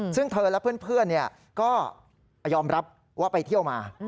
ซึ่งเธอและเพื่อนก็ยอมรับว่าไปเที่ยวมา